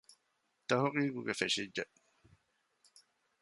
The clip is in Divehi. ތަހުޤީޤު ފެށިއްޖެ